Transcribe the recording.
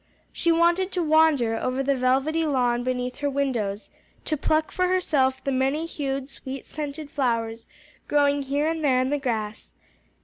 She wanted to wander over the velvety lawn beneath her windows, to pluck for herself the many hued, sweet scented flowers, growing here and there in the grass.